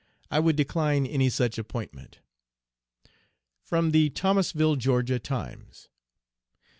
I would decline any such appointment. (From the Thomasville (Ga.) Times.)